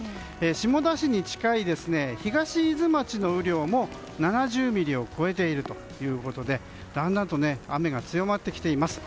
下田市に近い東伊豆町の雨量も７０ミリを超えているということでだんだんと雨が強まってきています。